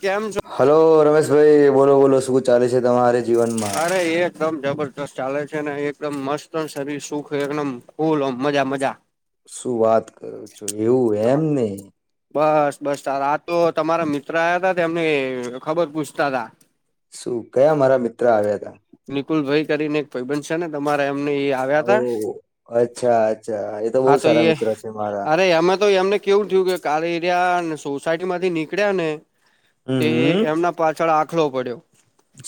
કેમ છો હલો રમેશભાઈ બોલો બોલો શું ચાલે છે, તમારે જીવનમા અરે એકદમ જબરજસ્ત ચાલે છે ને એકદમ મસ્ત શરીર સુખ એકદમ કુલ મજા મજા શું વાત કરું છુ, એવું એમ નને બસ બસ તાર આ તો તમારા મિત્ર આવયા હતા એમને ખબર પૂછતા તા શું કયા મારા મિત્ર આવ્યા હતા. નિકુલ ભાઈ કરીને ભઈ બંધ છે ને, તમારા એમને આવ્યા ઓ હતા અચ્છા અચ્છા એ હા બહુ તો સારા એ મિત્ર છે મારા અરે એમાં તો એમને કેવું થયું કે કાલે એરિયા ને સોસાયટી માંથી નીકળ્યા ને, તે હમ હમ એમના પાછળ આખલો પડ્યો.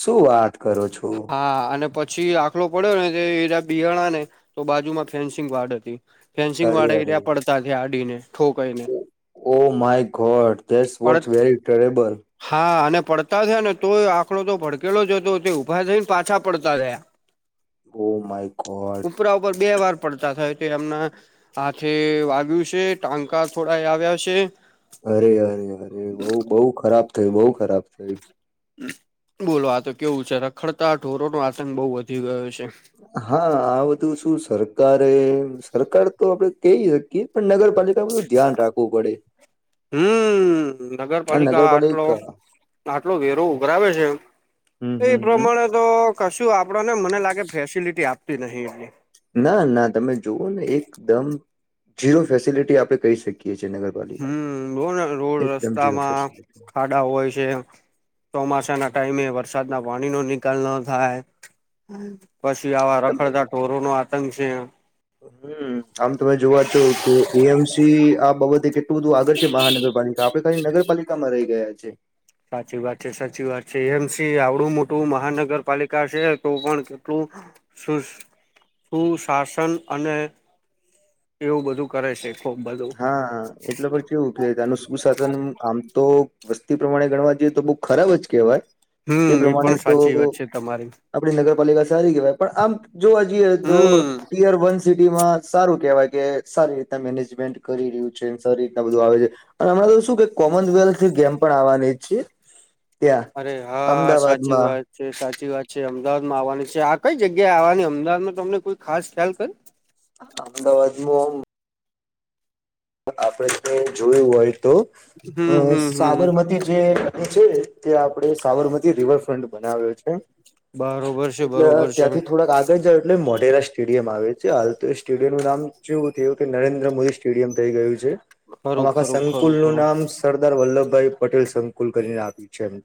શું વાત કરો છો? હા. અને પછી આખલો પડ્યો ને, તે એટલા બિહાણા ને તો બાજુમાં ફેન્સિંગ વાડ હતી ફેન્સિંગ વાળા એ પડતા થયા અડીને. ઠોકાઈને ઓહ માય ગોડ, ધેટ્સ પડ વોટ વેરી ટેરેબલ. હા, અને પડતા થયા ને તો આખડો તો ભડકેલો જ હતો, તે ઊભા થઈ ન પાછા પડતા થયા. ઓહ માઇ ગોડ. ઉપરા ઉપર બે વાર પડતા થાય, તો એમના હાથે વાગ્યું છે, ટાંકા થોડાય આવ્યા છે અરે-અરે-અરે, બહું-બહું ખરાબ થયું, બહુ ખરાબ થયું. બોલો આતો કેવું છે, રખડતા ઢોરો નો આતંક બઉ વધી ગયો છે. હા. આ બધું શું સરકારે સરકાર તો આપડે કહી શકીએ, પણ નગર પાલિકા બધું ધ્યાન રાખવું પડે. હમ્મ. નગરપાલિકા આટલો-આટલો વેરો ઉઘરાવે છે એ હમ્મ-હમ્મ. પ્રમાણે તો કશું આપડા ને, મને લાગે ફેસિલિટી આપતી નહિં એટલી. ના, ના, તમે જોઓ ને એકદમ ઝીરો ફેસિલિટી આપડે કહી શકીએ છીએ નગર પાલિકાની, હમ્મ જો ને રોડ એકદમ જીરો રસ્તામાં ફેસિલિટી. ખાડા હોય છે ચોમાસા ના હા, ટાઈમે વરસાદ ના પાણી નો નિકાલ ન થાય પછી આવા તમે રખડતા ઢોરો નો આતંક છે હમ્મ. આમ તમે જવ ઈ એમ સી આ બાબત તે કેટલું બધું આગળ છે મહાનગરપાલિકા, આપડે ખાલી નગરપાલિકામાં રહી ગયા છે. સાચી વાત છે, સાચી વાત છે. એમ એ સી આવડું મોટું મહાનગરપાલિકા છે, તો પણ કેટલું સુસ સુશાસન અને એવું બધું કરે છે. ખુબ બધું હા, એટલે પછ કેવું કે તાનું સુશાસન આમ તો વસ્તી પ્રમાણે ગણવા જોઈએ, તો બહુ ખરાબ જ કેહેવાય. એ હમ પ્રમાણે પણ તો સાચી વાત છે તમારી આપડી નગરપાલિકા સારી કહેવાય, પણ આમ જોવા જઈએ તો હમ યર વન સિટીમાં સારું કહેવાય કે સારી રીતના મેનેજમેન્ટ કરી રહ્યું છે ને સારી રીતના બધું આવે છે. અને આમાં તો શું કે કોમનવેલ્થ ગેમ પણ આવવાની છે, ત્યાં અરે હા સાચી અમદાવાદમાં. વાત છે, સાચી વાત છે. અમદાવાદમાં આવવાની છે. આ કંઈ જગ્યાએ આવવાની અમદાવાદમાં તમને કોઈ ખાસ ખ્યાલ ખરી? અમદાવાદમાં ઓમ આપણે જોયું હોય તો હમ અહ હમ હમ સાબરમતી જે [inaudible] છે ને ત્યાં આપણે સાબરમતી રિવરફ્રન્ટ બનાવ્યો છે, બરોબર છે એટલે બરોબર છે ત્યાંથી થોડાક આગ ગળ જાવ એટલે મોઢેરા સ્ટેડિયમ આવે છે, હાલ તો એ સ્ટેડિયમનું નામ ચ્યો તેવું કે નરેન્દ્ર મોદી સ્ટેડિયમ થઈ ગયું છે. આમ ખરું આખા ખરું સંકુલ ખરું નું ખરું નામ સ સરદાર વલ્લભભાઈ પટેલ સંકુલ કરીને આપ્યું છે એમ.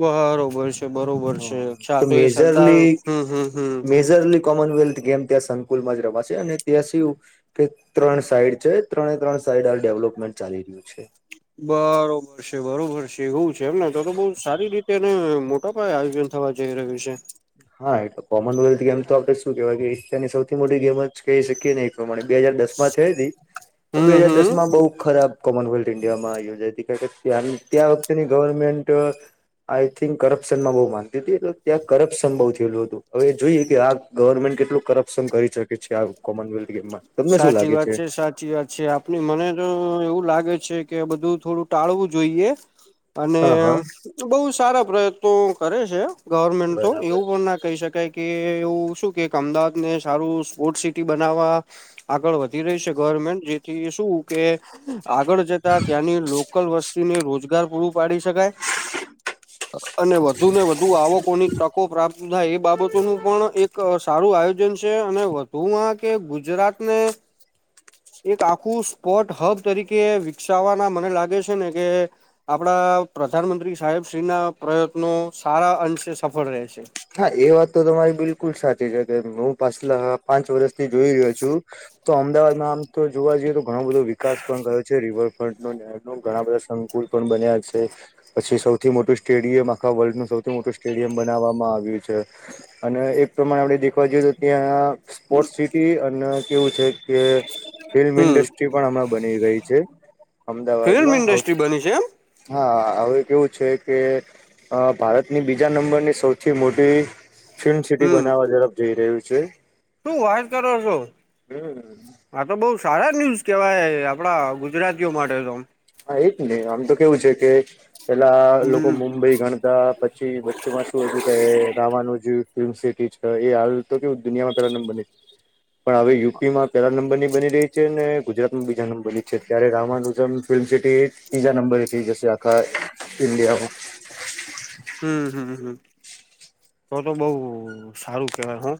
બરોબર છે, બરોબર છે, હા અચ્છા તો એ સરદાર, મેજરલી હમ્મ-હમ્મ. મેજરલી કોમનવેલ્થ ગેમ ત્યાં સંકુલમાં જ રમાશે, અને ત્યાં સ્યું કે ત્રણ સાઈડ છે ત્રણેય ત્રણ સાઈડ આ ડેવલપમેન્ટ ચાલી રહ્યું છે. બરોબર. છે, બરોબર છે, એવું છે એમને. તો-તો બહું સારી રીતે અને મોટા પાયે આયોજન થવા જઈ રહ્યું છે. હા એ કોમનવેલ્થ ગેમ તો આપણે શું કેહેવાય કે એશિયાની સૌથી મોટી ગેમ જ કહી શકીએ ને એ પ્રમાણે બે હાજર દસ માં થઈ હતી બે હમ હાજર દસ હમ માં બઉુ ખરાબ કોમન વેલ્થ ઇન્ડિયામાં યોજાઈ તી, કારણ કે ત્યાંની ત્યાં વખતેની ગવર્મેન્ટ આઈ થિંક કરપ્શન માં બહું માનતી તી એટલે ત્યાં કરપ કરપ્શન બહુ થયેલું હતું, હવે જોઈએ કે આ ગવર્મેન્ટ કેટલું કરપ્શન કરી શકે છે, આ કોમનવેલ્થ ગેમમાં. તમને શું સાચી લાગે વાત છે, સાચી વાત છ આપ મને તો એવું લાગે છે કે બધું થોડું ટાળવું જોઈએ. અને હા હા તું બહુ સારા પ્રયત્નો કરે છે. ગવર્મેન્ટ તો બરાબર એવું પણ ના કહી શકાય કે એવું શું કે અમદાવાદ ને સારું સ્પોર્ટ સિટી બનાવવા આગળ વધી રહી છે ગવર્મેન્ટ જેથી શું કે આગળ જતા ત્યાંની લોકલ વસ્તુ ને રોજગાર પૂરું પાડી શકાય. [inaudible] અને વધુ ને વધુ આવકોની તકો પ્રાપ્ત થાય એ બાબતોનું પણ એક એક સારું આયોજન છે અને વધુ કે ગુજરાત ને એક આખું સ્પોટ હબ તરીકે વિકસાવવાના મને લાગે છે ને કે આપણા પ્રધાનમંત્રી સાહેબ શ્રી ના પ્રયત્નો સારા અંશે સફળ રહેશે. હા એ વાત તો તમારી બિલકુલ સાચી છે કે હું પાછલા પાંચ વર્ષથી જોઈ રહ્યો છું. તો અમદાવાદમાં આમ તો જોવા જઈએ તો ઘણો બધો વિકાસ પણ ગયો છે રિવર ઘણા બધા સંકુલ પણ બન્યા છે. પછી સૌથી મોટું સ્ટેડિયમ આખા વલ્ડનું સૌ મોટું સ્ટેડિયમ બનાવવામાં આવ્યું છે અને એક પ્રમાણે આપણે જોય તો ત્યાં સ્પોર્ટ સિટી અને કેવું છે કે ફિલ્મ હમ ઇન્ડસ્ટ્રી પણ હમણાં બની ગઈ છે ફિલ્મ અમદાવાદમાં ઇન્ડસ્ટ્રી બની છે એમ હા હવે કેવું છે કે ભારતની બીજા નંબરની સૌથી મોટી ફિલ્મ સિટી હમ બનાવવા તરફ જઈ રહ્યું છે. શું વાત કરો છો? હમ આતો બહુ સારા ન્યુઝ કેવાય આપણા ગુજરાતીઓ માટે તો- હા એ જ ને આમ તો કેવું છે કે પેલા લોકો હમ મુંબઈ ગણતા પછી વચ્ચેમાં શું હતું કે રમાનુંજ ફિલ્મ સિટી છે, એ હાલ તો કેવું દુનિયામાં પેલા નંબરની પણ હવે યુપીમાં પેહલા નંબર ની બની રહી છે ને ગુજરાતમાં બીજા નંબરની છે ત્યારે રામાનુઝમ ફિલ્મ સિટી તીજા નંબર હતીથી જયસે આખા ઇન્ડિયામાં હમ હમ હમ. તો તો બઉ સારું કેવાય હું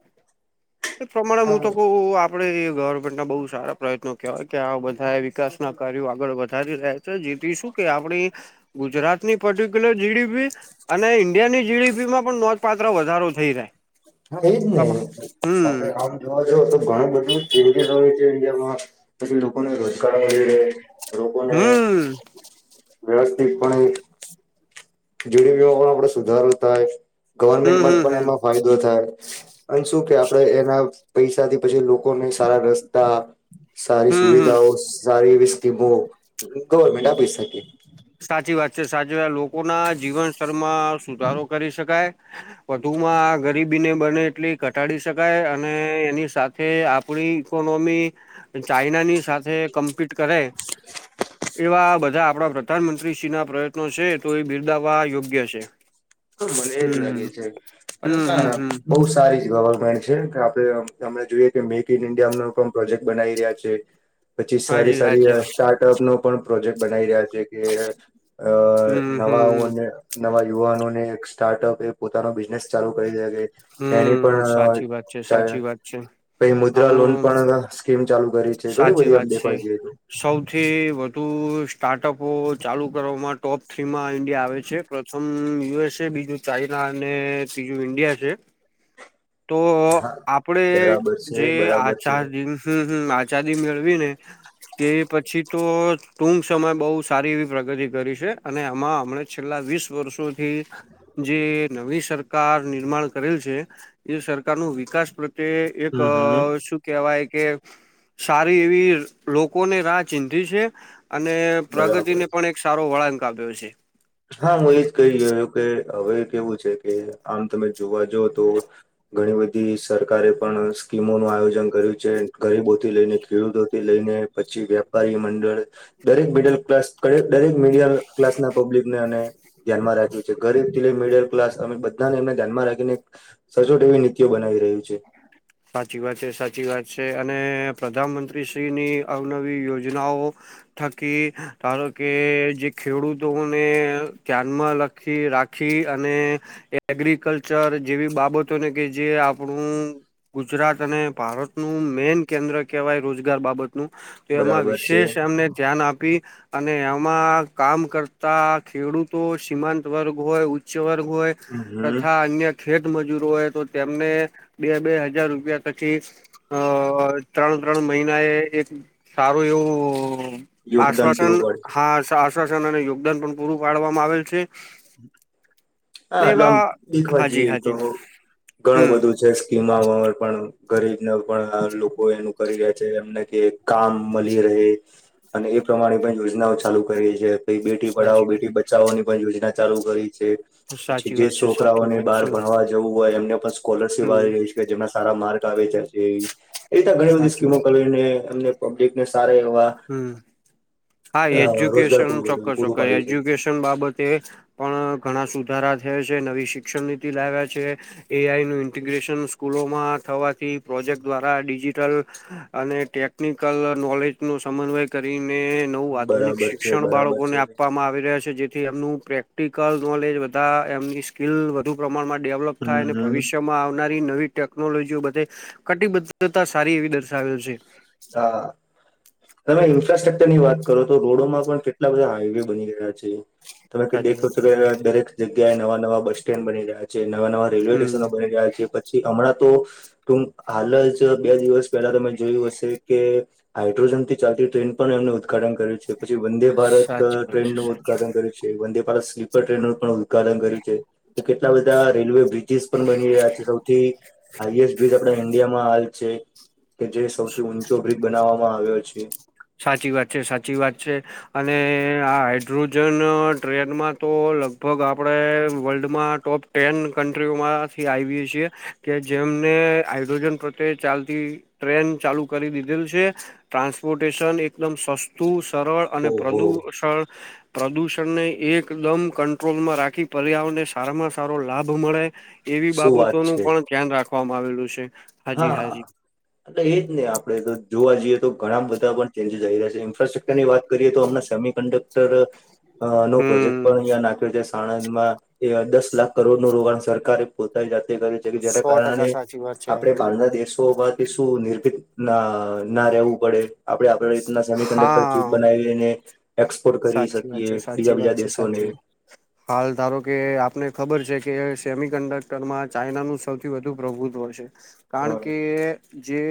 એ પ્રમાણે હું તો બહુ આપણેે ગવર્મેન્ટને બહુ સારા પ્રયત્નો કહેવાય કે આ બધાએ વિકાસના કાર્યો આગળ વધારી રહ્યા છે. જીતીશું કે આપણી ગુજરાત ની પર્ટિક્યુલર જીડીપી અને ઇન્ડિયાની જીડીપી માં પણ નોઘ પાત્ર વધારો થઈ જાય. હા એજ ને આપડે આમ જોવા જો તો ઘણું બધું ચેન્જીસ હો છે, ઇન્ડિયામાં પછી લોકોને રોજગાર મળી રહે લોકોને હમ હમ વ્યવસ્થી પણ જડીપીમાં પણ આપડે સુધારો થાય, ગવર્મેન્ટમાં હમ પણ હમ એમાં ફાયદો થાય. અને શું કે આપડે એના પૈસાથી પછી લોકોને સારા રસ્તા સારી હમ હમ સુવિધાઓ સારી એવી સ્કીમો ગવર્મેન્ટ આપી શકે. સાચી વાત છે, સાચી વાત લોકો ના જીવન સ્તરમાં સુધારો કરી શકાય. વધુ માં ગરીબીને બને એટલી ઘટાડી શકાય અને એની સા થે આપણી ઈકોનોમી ચાઈના ની સાથે કમ્પીટ કરે. એવા બધા આપણા પ્રધાનમંત્રીશ્રી ના પ્રયત્નો છે, તો એ બિરદાવવા યોગ્ય છે. મને એજ લાગે હમ છે અને હમ હમ ના હમ બહુ સારી જ વાવા છે આપડે અમ અમણે જોઈએ કે મેક ઈન ઇન્ડિયા નો પણ પ્રોજેક્ટ બનાવી રહ્યા છે. પછી સારી હાજી સારી હાજી સ્ટાર્ટ ટપ નો પણ પ્રોજેક્ટ બનાવી રહ્યા છે કે અ હમ નવા હમ આવું નવા યુવાનો ને એક સ્ટાર્ટઅપ એ પોતાનો બિઝનેસ ચાલુ કરી દે કે એની હમ પણ સાચી વાત છે ચા સાચી વાત છે કઈ આમ મુદ્રા લોન પણ સ્કીમ ચાલુ કરી છે ઘણી સાચી બધી આમ વાત છે. દેખવા જઈએ તો સૌથી વધુ સ્ટાર્ટઅપો ચાલુ કરવામાં ટોપ થ્રી માં ઈન્ડિયા આવે છે. પ્રથમ યુએસ છે, બીજું ચાઈના અને ત્રીજું ઇન્ડિયા છે. તો હા આપડે બરાબર છે જે બરાબર છે આચાર દિન હમ હમ આ ચાદી મળવી ને તે પછી તો ટૂંક સમય બહુ સારી એવી પ્રગતિ કરી છે અને એમાં હમણે છેલ્લા વીસ વર્ષોથી જે નવી સરકાર નિર્માણ કરેલ છે. એ સરકાર નું વિકાસ પ્રત્યે એક હમ હમ શુ કેવાય કે સારી એવી લોકો ને રાહ ચિંધી છે અને બરાબર પ્રગતિને છે પણ એક સારો વળાંક આપ્યો છે. હા હું એજ કહી રહ્યો કે હવે કેવું છે કે આમ તમે જોવા જાવ તો ઘણી બધી સરકારે પણ સ્કીમોનું આયોજન કર્યું છે, ગરીબોથી લઈને ખેડૂતોથી લઈને પછી વેપારી મંડળ દરેક મિડલ ક્લાસ દરેક મિડિલ ક્લાસ ના પબ્લિક ને અને ધ્યાનમાં રાખ્યું છે, ગરીબ થી લઈ મીડલ ક્લાસ અ બધાને એમને ધ્યાનમાં રાખીને સચોટ એવી નીતિઓ બનાવી રહ્યું છે. સાચી વાત છે. સાચી વાત છે. અને પ્રધાનમંત્રી શ્રીની અવનવી યોજનાઓ થકી ધારો કે જે ખેડૂતોને ધ્યાનમાં લગ આખી રાખી અને એગ્રીકલ્ચર જેવી બાબતોને કે જે આપણું ગુજરાત અને ભારતનું મેન કેન્દ્ર કહેવાય રોજગાર બાબત તો એમાં બરાબર છે વિશેષ એમને ધ્યાન આપી અને એમાં કામ કરતા ખેડૂતો સીમાંત વર્ગ હોય વર્ગ હોય હમ તથા અન્ય ખેતમજૂરી હોય તો તેમને બે બેજ હજાર રૂપિયા પછી અ ત્રણ ત્રણ મહિના એ એક સારું એવું યોગદાન પૂરું આશ્વાસન પાડશે હા આશ્વાસન અને યોગદાન પણ પૂરું પાડવામાં આવેલ છે હા ને એટલે એવા આમ દેખવા હાજી જઈએ તો હાજી ઘણું હમ બધું છે સ્કીમાર પણ ગરીબ ના પણ લોકો એનું કરી રહે છે એમ કે કામ મળી રહે અને એ પ્રમાણે પણ યોજનાઓ ચાલુ કરી છે કઈ બેટી પઢાવો સાચી વાત બેટી બચાવોની પણ યોજના ચાલુ કરી છે પછી સાચી જે વાત છે સાચી છોકરાઓને વાત બહાર છે ભણવા જવું હોય એમને પણ સ્કોલરશીપ હમ આવી રહી છે જે સારા માર્ગ આવે છે એ રી ઘણી બધી સાચી સ્કીમો વાત કર મ પબ્લિક ને સારા એવા હમ હા અ રોજગાર એજ્યુકેશન પૂરું ચોક્કસ પૂરું ચોક્કસ પાડ્યું છે એજ્યુકેશન બાબતે પણ ઘણા સુધારા થયા છે નવી શિક્ષણ નીતિ લાવ્યા છે એ આઈ નું ઇન્ટીગ્રેશન સ્કૂલોમાં થવાથી પ્રોજેક્ટ દ્વારા ડિજિટલ અને ટેકનિકલ નોલેજ નું સમન્વય કરીને નવું આધુનિક બરાબર છે શિક્ષણ બરાબર બાળકોને છે આપવામાં આવી રહ્યા છે જે એમનું પ્રેક્ટિકલ નોલેજ બધા એમની સ્કીલ વધુ પ્રમાણમાં ડેવલપ હમ થાય અને હમ ભવિષ્યમાં આવે નવી ટેકનોલોજી કટિબદ્ધતા સારી એવી દર્શાવે છે હા તમે ઇન્ફ્રાસ્ટ્રકચર ની વાત કરો તો રોડોમાં પણ કેટલા બધા હાઈવે બની ગયા છે તમે સાચી દેખો વાત તો છે ખરા દરેક જગ્યાએ નવા-નવા બસ સ્ટેન્ડ બની રહ્યા છે નવા-નવા રેલવે સ્ટ સ્ટેશનો હમ બની રહ્યા છે પછી હમણાં તો ટૂંક હાલ જ બે દિવસ પહેલા તમે જોયું હશે કે હાઇડ્રોજન થી ચાલતી ટ્રેન પણ એમને ઉદઘાટન કર્યું છે પછી વંદે ભારત સાચી વાત ટ્રેનનું છે ઉદઘાટન કર્યું છે વંદે ભારત સ્લીપર ટ્રેનનું પણ ઉદ્ઘ પાલન કર્યું છે કેટલા બધા રેલવે બ્રિજીસ પણ બની રહ્યા છે સૌથી હાાઈએસ્ટ બ્રિજ આપણા ઈન્ડિયામાં હાલ છે કે જે સૌથી ઊંચો બ્રિજ બનાવવામાં આવ્યો છે સાચી વાત છે સાચી વાત છે અને આ હાઇડ્રોજન ટ્રેનમાં તો લગભગ આપણે વર્લ્ડમાં ટોપ ટેન કન્ટ્રીઓમાંથી આવીએ છીએ કે જેમને હાઇડ્રોજન પ્રત્યે ચાલતી ટ્રેન ચાલુ કરી દીધેલ છે ટ્રાન્સપોર્ટ પેષણ એકદમ સસ્તું, સરળ અને ઓહો પ્રદૂષણ પ્રદૂષણને એકદમ કંટ્રોલમાં રાખી પર્યાવરણને સારામાં સારો લાભ મળે. એવી શું વાત બાબતોનું છે. પણ ધ્યાન રાખવામાં આવેલું છે. હાજી હા હાજી એજ નહી આપડે તો જોવા જઈએ તો ઘણા બધા પણ ચેન્જસ આવી રહ્યા છે. ઇન્ફ્રાસ્ટ્રકચર ની વાત કરીએ તો હમણા સેમી કન્ડક્ટર નો પ્રોજેક્ટ હમ પણ અહંયા નાખ્યો છે સાણંદ માં એ દસ લાખ કરોડ નું રોકાણ સરકારે પોતાની જાતે કર્યુ છે કે જેના સો ટકા કારણે સાચી વાત છે આપની ના દેશોમાંથી શું નિર્ભિત ના ના રહેવું પડે આપડે આપડી રીતના સેમી કન્ડક્ટર ચીપ હા બનાવીઈને એક્સપોર્ટ કરી સાચી વાત શકીએ છે બીજા સાચી વાત બીજા છે સાચી વાત દેશોને હાલ ધારો કે આપને ખબર છે કે સેમી કન્ડક્ટર માં ચાઈનાનું સૌથી વધુ પ્રભુત્વ છે હ કારણકે જે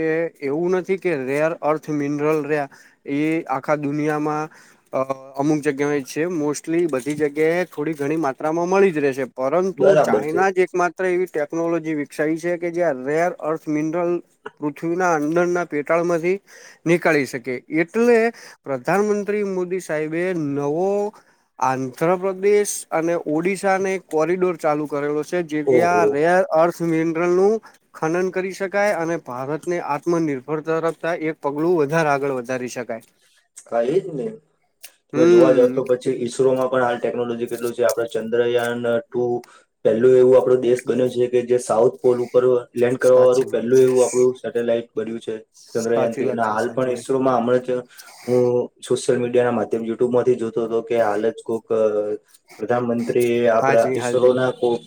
એવું નથી કે રેર અર્થ મિનરલ રે એ આખા દુનિયામાં અહ અમુક જગ્યાઓ એજ છે, મોસ્ટલી બધી જગ્યાએ થોડી ઘણી માત્રામાં મળી જ રેહ છે. પરંતુ બરાબર છે ચાઈના જ એક માત્ ત્ર એવી ટેકનોલોજી વિકસાઈ છે કે જ્યાં રેર અર્થ મિનરલ. પૃથ્વીના અંદરના પેટાળમાંથી નીકાળી શકે એટલે પ્રધાનમંત્રી મોદી સાહેબે નવો આંધ્રપદેશ અને ઓડિશાને એક કોરિડોર ચાલુ કરેલો છે. જીભયા ઓહો આ રેર અર્થ મિનરલનું ખનન કરી શકાય અને ભારતને આત્મનિર્ભરતા રાખતા એક પગલું વધારે આગળ વધારી શકાય. કઈ જ ને તમે જોવા જાવ તો હમ પછ જે ઈસરોમાં પણ હાલ ટેકનોલોજી કેટલું છે આપડ ચંદ્રયાન ટુ પેલું એવું આપડો દેશ બન્યો છે કે જે સાઉથ પોલ ઉપર લેન્ડ કરવા વાળું સાચી વાત પેલું છે એવું આપડુ સેટેલાઈટ બન્યું છે, ચંદ્રયાન સાચી વાત છે હાલ પણ સાચી ઇસ વાત છે હા, એમના હું સોશિયલ મીડિયાના માધ્યમ યુટ્યુબમાંથી જોત તો કે હાલ જ કોઈક અહ પ્રધાનમંત્રી આપડા હાજી હાજી ઈસરોના કોક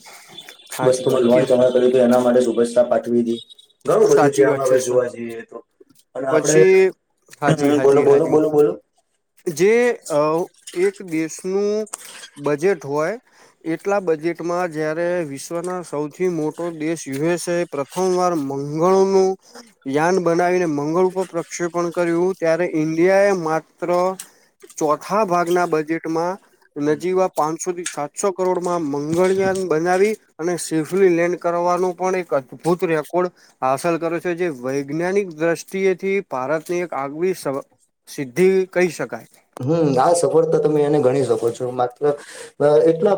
સાચી વસ્તુમાં વાત લોનચ અમણા કર્યું તો એના માટે શુભેચ્છા પાઠવીટી, ઘણું બધું છે સાચી વાત આમાં હવે સર જોવા જઈએ તો અને પછી હાજી આપડ બોલો હાજી બોલો હાજી બોલો બોલો. જે અવ એક દેશનું બજેટ હોય. એટલા બજેટમાં જ્યારે વિશ્વના સૌથી મોટો દેશ યુ એસ એ. પ્રથમવાર મંગળોનું. યાન બનાવીને મંગળ ઉપર પ્રક્ષેપણ કર્યું ત્યારે ઇન્ડિયા એ માત ત્ર ચોથા ભાગના બજેટમાં હમ નજીવા પાંચસોથી સાત. સો કરોડમાં મંગળયાન બનાવી. અને સેફલી લેન્ડ કરવાનો પણ એક અદભુત રેકોર્ડ હાંસલ કરે છે. જે વૈજ્ઞાનિક દ્રષ્ટિએથી ભારતની એક આગવી શ સિદ્ધિ કહી શકાય. હમ્મ આ સફળતા તમે એને ગણી શકો છો માત્ર અ એટલા.